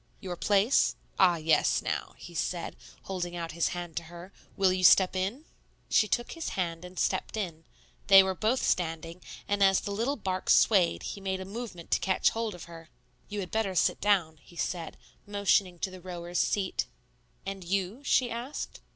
"Your place? Ah, yes; now," he said, holding out his hand to her, "will you step in?" She took his hand and stepped in; they were both standing, and as the little bark swayed he made a movement to catch hold of her. "You had better sit down," he said, motioning to the rower's seat. "And you?" she asked.